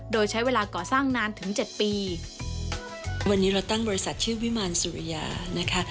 โดยใช้เวลาก่อสร้างนานถึงเจ็ดปีวันนี้เราตั้งบริษัทชื่อวิมารสุริยานะคะ